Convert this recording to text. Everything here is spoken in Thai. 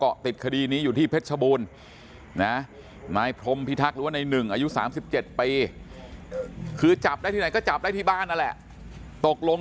อายุ๓๗ปีคือจับได้ที่ไหนก็จับได้ที่บ้านนั่นแหละตกลง